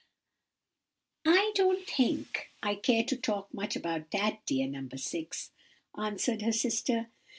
"I don't think I care to talk much about that, dear No. 6," answered her sister.